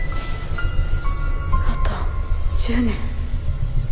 あと１０年。